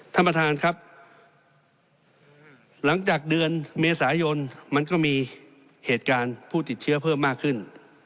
ท่านประธานครับหลังจากเดือนเมษายนมันก็มีเหตุการณ์ผู้ติดเชื้อเพิ่มมากขึ้น